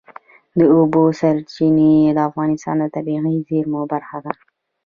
د اوبو سرچینې د افغانستان د طبیعي زیرمو برخه ده.